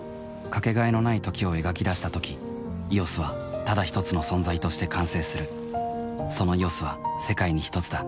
かけがえのない「時」を描き出したとき「ＥＯＳ」はただひとつの存在として完成するその「ＥＯＳ」は世界にひとつだ